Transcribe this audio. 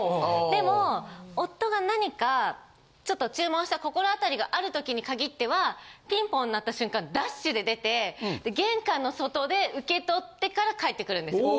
でも夫が何かちょっと注文した心当たりがある時に限ってはピンポン鳴った瞬間ダッシュで出て玄関の外で受け取ってから帰ってくるんですよ。